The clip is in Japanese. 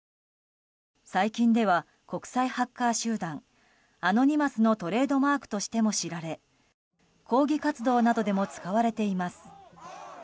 最近では国際ハッカー集団アノニマスのトレードマークとしても知られ抗議活動などでも使われています。